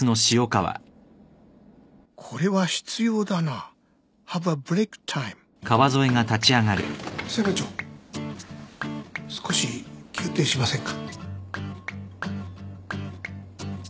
これは必要だなハブアブレイクタイム裁判長少し休廷しませんか。